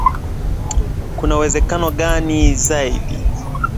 kuna uwezekano gani zaidi